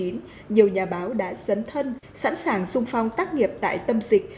nhiều nhà báo đã dấn thân sẵn sàng sung phong tác nghiệp tại tâm dịch